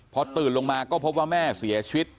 พอตื่นลงมาก็พบว่าแม่เสียชีวิต